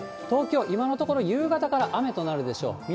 東京、今のところ夕方から雨となるでしょう。